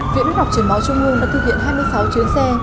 viện đức đọc chuyển máu trung hương đã thực hiện hai mươi sáu chuyến xe